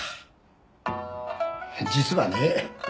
実はね